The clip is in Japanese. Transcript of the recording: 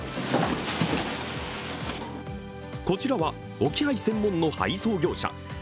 こちらは置き配専門の配送業者。